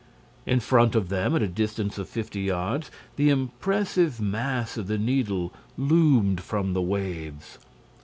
In front of them, at a distance of fifty yards, the impressive mass of the Needle loomed from the waves.